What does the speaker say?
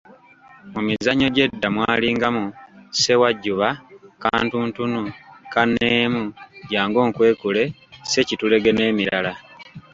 Mu mizannyo gyedda mwalingamu; ssewajjuba, kantuntunu, kanneemu, jangu onkwekule, ssekitulege n'emirala.